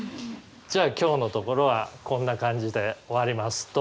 じゃあ今日のところはこんな感じで終わります。